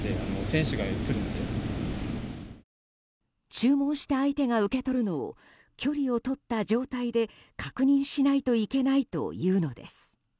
注文した相手が受け取るのを距離をとった状態で確認しないといけないというのです。